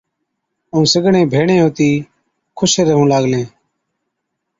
ائُون سِگڙين ڀيڙين هُتِي خُوش ريهُون لاگلين۔